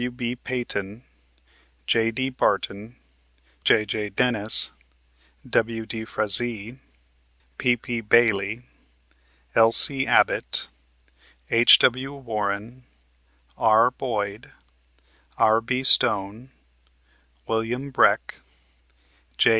W.B. Peyton, J.D. Barton, J.J. Dennis, W.D. Frazee, P.P. Bailey, L.C. Abbott, H.W. Warren, R. Boyd, R.B. Stone, William Breck, J.